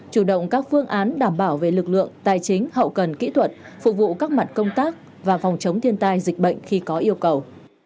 chủ động các phương án đảm bảo về lực lượng tài chính hậu cần kỹ thuật phục vụ các mặt công tác và phòng chống thiên tai dịch bệnh khi có yêu cầu